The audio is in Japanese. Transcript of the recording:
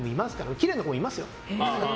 きれいな子もいますよ。